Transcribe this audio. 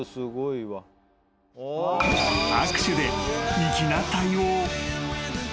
［握手で粋な対応］